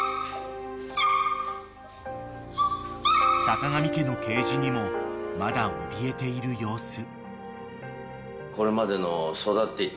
［坂上家のケージにもまだおびえている様子］